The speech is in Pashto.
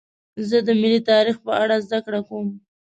زه د ملي تاریخ په اړه زدهکړه کوم.